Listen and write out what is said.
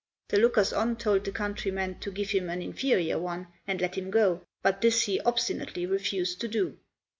The lookers on told the countryman to give him an inferior one and let him go, but this he obstinately refused to do.